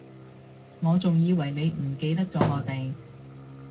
我仲以為你唔記得咗我哋